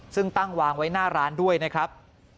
ซึ่งตั้งวางไว้หน้าร้านด้วยนะครับ